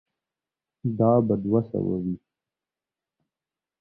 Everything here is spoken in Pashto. دا به دوه سوه وي.